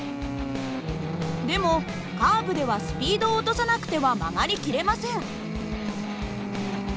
でもカーブではスピードを落とさなくては曲がりきれません。